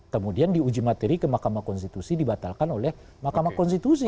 kemudian diuji materi ke mahkamah konstitusi dibatalkan oleh mahkamah konstitusi